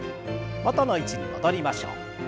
元の位置に戻りましょう。